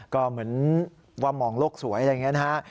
ก็เหมือนว่ามองโลกสวยอะไรอย่างนี้นะฮะ